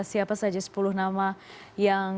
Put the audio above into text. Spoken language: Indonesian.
siapa saja sepuluh nama yang